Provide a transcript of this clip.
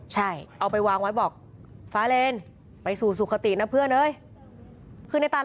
ใช่เอาไปวางเอาไว้บอกฟ้าเรนไปสู่สุขตีนะเพื่อน